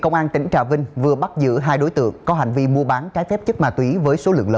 công an tỉnh trà vinh vừa bắt giữ hai đối tượng có hành vi mua bán trái phép chất ma túy với số lượng lớn